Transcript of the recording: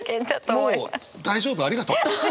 もう大丈夫ありがとう。